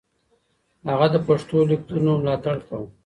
هغه د پښتو ليکنو ملاتړ کاوه.